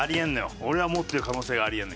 俺は持ってる可能性があり得えるのよ